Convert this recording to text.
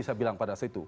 saya bilang pada situ